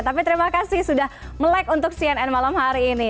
tapi terima kasih sudah melek untuk cnn malam hari ini